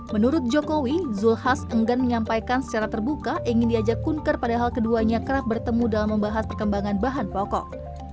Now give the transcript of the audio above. menurut jokowi zulkifli hasan enggan menyampaikan secara terbuka ingin diajak kunker padahal keduanya kerap bertemu dalam membahas perkembangan bahan pokok